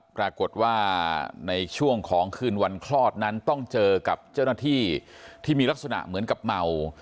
ปรากฏว่าในช่วงของคืนวันคลอดนั้นต้องเจอกับเจ้าหน้าที่ที่มีลักษณะเหมือนกับเมา